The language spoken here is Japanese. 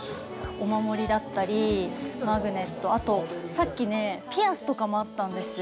お守りだったり、マグネット、あと、さっきね、ピアスとかもあったんですよ。